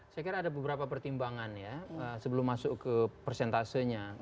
saya kira ada beberapa pertimbangan ya sebelum masuk ke persentasenya